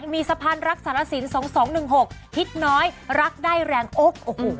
มีสะพานรักษณะสินสองสองหนึ่งหกฮิตน้อยรักได้แรงโอ๊คโอ้โห